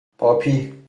پاپی